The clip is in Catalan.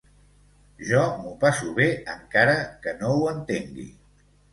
Jo m’ho passo bé encara que no ho entengui.